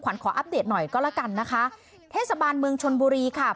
ขวัญขออัพเดทหน่อยก็ละกันนะคะเทศบาลเมืองชลบุรีค่ะ